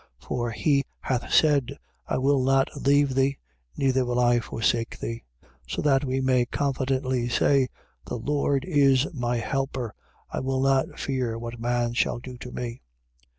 For he hath said: I will not leave thee: neither will I forsake thee. 13:6. So that we may confidently say: The Lord is my helper: I will not fear what man shall do to me.